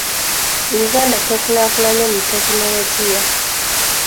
Uganda tekulaakulanye mu tekinologiya.